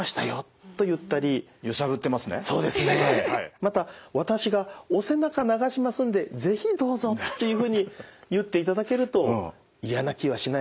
また「私がお背中流しますんで是非どうぞ」っていうふうに言っていただけると嫌な気はしないはずですからね。